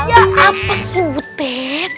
ya apa sih butet